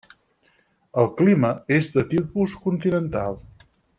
El clima és del tipus continental.